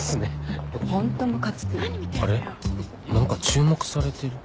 何か注目されてる